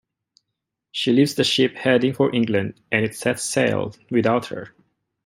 She leaves the ship heading for England and it sets sail without her.